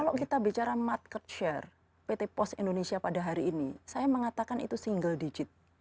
kalau kita bicara market share pt pos indonesia pada hari ini saya mengatakan itu single digit